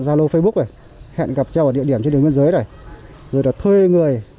zalo facebook hẹn gặp nhau ở địa điểm trên đường biên giới này rồi thuê người